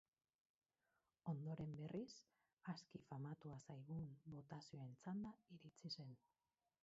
Ondoren, berriz, aski famatua zaigun botazioen txanda iritsi zen.